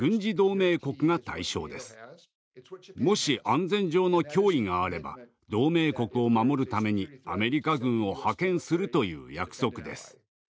もし安全上の脅威があれば同盟国を守るためにアメリカ軍を派遣するという約束です。